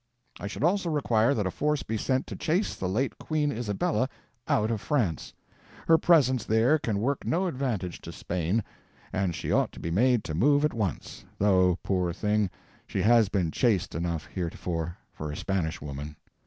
I should also require that a force be sent to chase the late Queen Isabella out of France. Her presence there can work no advantage to Spain, and she ought to be made to move at once; though, poor thing, she has been chaste enough heretofore for a Spanish woman.